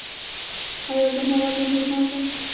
ایا زما وزن نورمال دی؟